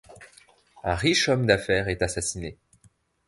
Un riche homme d'affaires est assassiné.